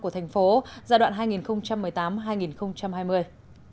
sản phẩm công nghiệp tiềm năng của thành phố giai đoạn hai nghìn một mươi tám hai nghìn hai mươi